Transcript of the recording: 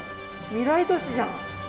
未来都市じゃん。